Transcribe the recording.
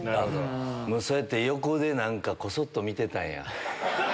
もうそうやって横でこそっと見てたんや。